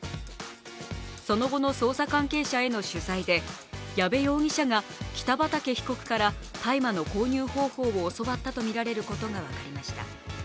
その後の捜査関係者への取材で矢部容疑者が北畠被告から大麻の購入方法を教わったとみられることが分かりました。